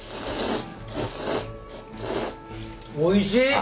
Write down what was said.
おいしい！